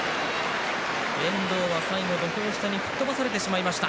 遠藤は土俵下に吹っ飛ばされてしまいました。